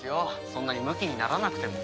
そんなにムキにならなくても。